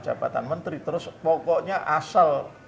jabatan menteri terus pokoknya asal